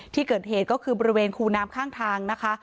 ที่เกิดเหตุก็คือบริเวณคูน้ำข้างทางนะคะ